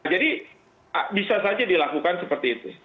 jadi bisa saja dilakukan seperti itu